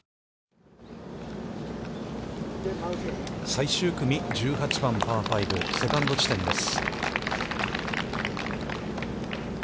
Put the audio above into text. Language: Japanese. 最終組、１８番、パー５、セカンド地点です。